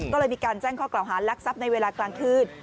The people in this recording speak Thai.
ก็เลยมีการแจ้งข้อกล่าวหารักทรัพย์ในเวลากลางคืน